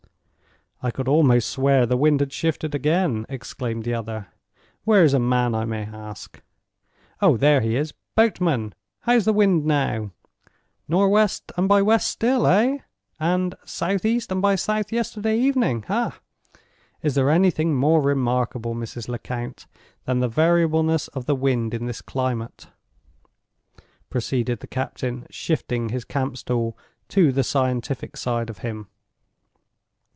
"I could almost swear the wind had shifted again!" exclaimed the other. "Where is a man I can ask? Oh, there he is. Boatman! How's the wind now? Nor'west and by west still—hey? And southeast and by south yesterday evening—ha? Is there anything more remarkable, Mrs. Lecount, than the variableness of the wind in this climate?" proceeded the captain, shifting the camp stool to the scientific side of him.